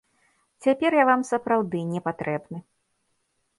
Цяпер я вам сапраўды не патрэбны.